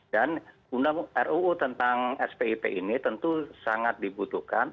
dan undang ruu tentang spip ini tentu sangat dibutuhkan